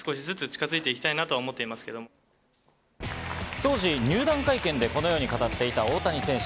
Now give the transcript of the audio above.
当時、入団会見でこのように語っていた大谷選手。